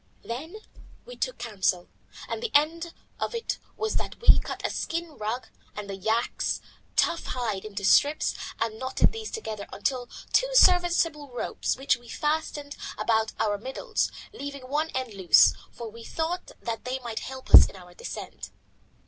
Then we took counsel, and the end of it was that we cut a skin rug and the yak's tough hide into strips and knotted these together into two serviceable ropes, which we fastened about our middles, leaving one end loose, for we thought that they might help us in our descent.